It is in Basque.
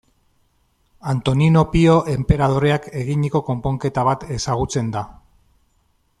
Antonino Pio enperadoreak eginiko konponketa bat ezagutzen da.